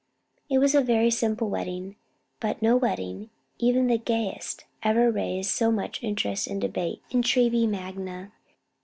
It was a very simple wedding; but no wedding, even the gayest, ever raised so much interest and debate in Treby Magna.